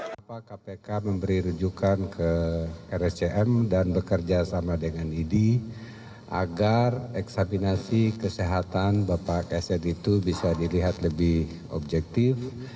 bapak kpk memberi rujukan ke rscm dan bekerja sama dengan idi agar eksaminasi kesehatan bapak ksn itu bisa dilihat lebih objektif